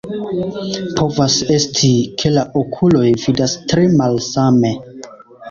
Povas esti, ke la okuloj vidas tre malsame.